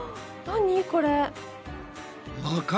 何これ？